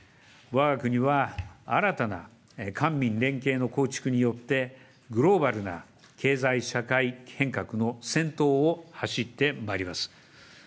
わが国は新たな官民連携の構築によって、グローバルな経済社会変革の先頭を走ってまいります。